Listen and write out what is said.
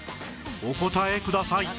お答えください